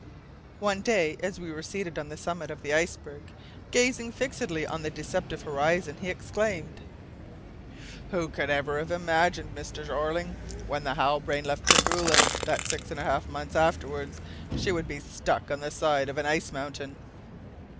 One day as we were seated on the summit of the iceberg, gazing fixedly on the deceptive horizon, he exclaimed, "Who could ever have imagined, Mr. Jeorling, when the Halbrane left Kerguelen, that six and a half months afterwards she would be stuck on the side of an ice mountain?"